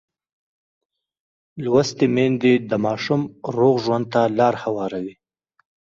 لوستې میندې د ماشوم روغ ژوند ته لار هواروي.